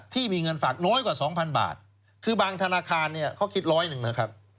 ที่มีเงินฝากน้อยกว่า๒๐๐บาทคือบางธนาคารเนี่ยเขาคิดร้อยหนึ่งนะครับ